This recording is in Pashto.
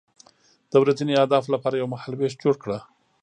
د ورځني اهدافو لپاره یو مهالویش جوړ کړه.